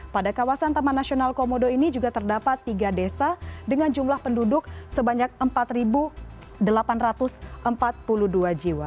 pada kawasan taman nasional komodo ini juga terdapat tiga desa dengan jumlah penduduk sebanyak empat delapan ratus empat puluh dua jiwa